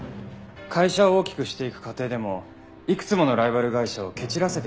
会社を大きくしていく過程でもいくつものライバル会社を蹴散らせてきたと。